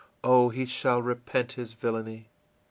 Oh, he shall repent his villainy!